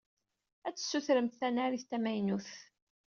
Ad tessutremt tanarit tamaynut.